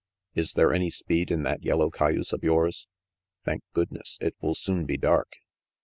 " Is there any speed in that yellow cay use of yours? Thank goodness, it will soon be dark.